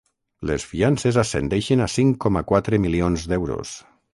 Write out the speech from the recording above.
Les fiances ascendeixen a cinc coma quatre milions d’euros.